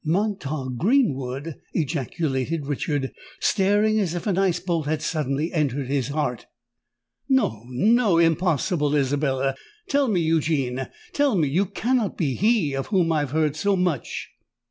"Montague—Greenwood!" ejaculated Richard, starting as if an ice bolt had suddenly entered his heart. "No—no—impossible, Isabella! Tell me—Eugene—tell me—you cannot be he of whom I have heard so much?"